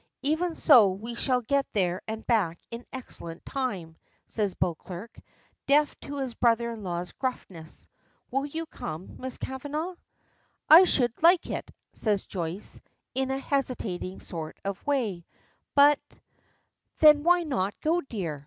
"Even so we shall get there and back in excellent time," says Beauclerk, deaf to his brother in law's gruffness. "Will you come, Miss Kavanagh?" "I should like it," says Joyce, in a hesitating sort of way; "but " "Then why not go, dear?"